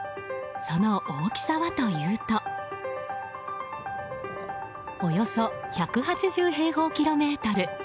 その大きさはというとおよそ１８０平方キロメートル。